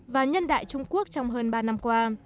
và nhân đại trung quốc trong hơn ba năm qua